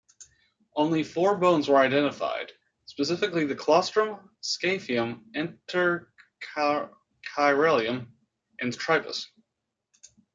Only four bones were identified, specifically the claustrum, scaphium, intercalarium and tripus.